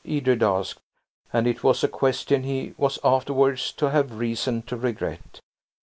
Edred asked; and it was a question he was afterwards to have reason to regret.